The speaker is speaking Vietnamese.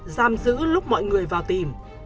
giam giữ lúc mọi người vào tìm